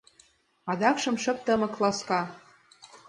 Адакшым шып-тымык, ласка.